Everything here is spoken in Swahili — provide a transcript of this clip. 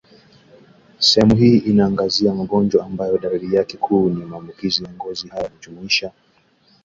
Sehemu hii inaangazia magonjwa ambayo dalili yake kuu ni maambukizi ya ngozi Haya yanajumuisha